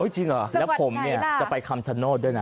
จริงเหรอสำหรับไหนล่ะแล้วผมจะไปคำสันนด์ด้วยนะ